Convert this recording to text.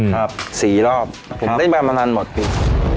ครับสี่รอบผมได้ประมาณหมดปี